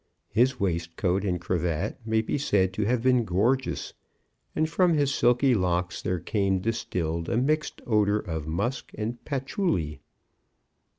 His waistcoat and cravat may be said to have been gorgeous, and from his silky locks there came distilled a mixed odour of musk and patchouli.